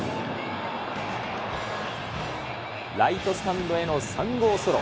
ライトスタンドへの３号ソロ。